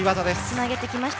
つなげてきました。